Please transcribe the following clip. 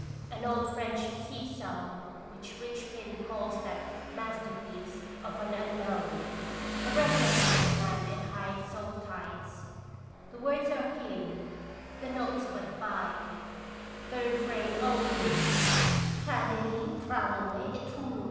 An old French sea song which Richepin calls that master piece of an un known, a revelation of man and high soul tides; the words are few, the notes but five, the refrain only traderi tra lanlaire et trouloula.